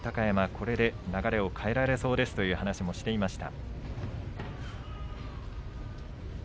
これで流れを変えられそうですという話をしていました。